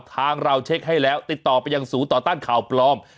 ทางเราเช็คให้แล้วติดต่อไปยังศูนย์ต่อต้านข่าวปลอม